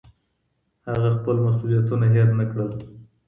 هغې خپل مسوولیتونه هېر نه کړل.